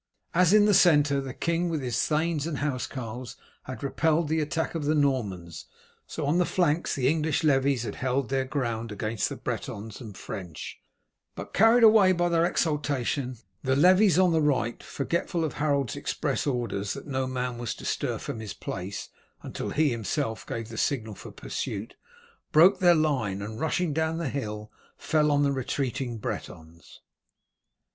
As in the centre the king with his thanes and housecarls had repelled the attack of the Normans, so on the flanks the English levies had held their ground against the Bretons and French; but, carried away by their exultation, the levies on the right, forgetful of Harold's express orders that no man was to stir from his place until he himself gave the signal for pursuit, broke their line, and rushing down the hill fell on the retreating Bretons.